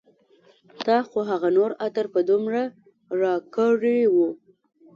تا خو هغه نور عطر په دومره راکړي و